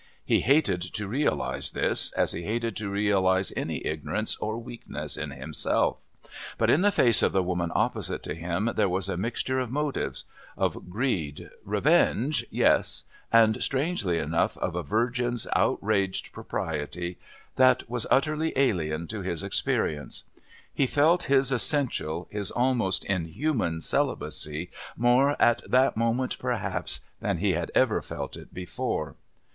He hated to realise this, as he hated to realise any ignorance or weakness in himself, but in the face of the woman opposite to him there was a mixture of motives of greed, revenge, yes, and strangely enough, of a virgin's outraged propriety that was utterly alien to his experience. He felt his essential, his almost inhuman, celibacy more at that moment, perhaps, than he had ever felt it before.